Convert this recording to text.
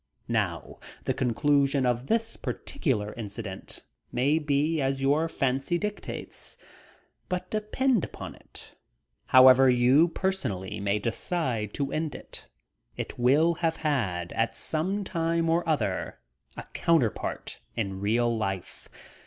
Now the conclusion of this particular incident may be as your fancy dictates. But depend upon it, however you, personally, may decide to end it, it will have had, at some time or other, a counterpart in real life.